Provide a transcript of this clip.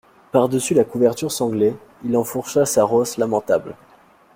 Par-dessus la couverture sanglée, il enfourcha sa rosse lamentable.